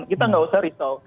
kita nggak usah risau